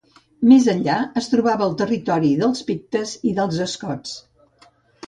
Més enllà es trobava el territori dels pictes i dels escots.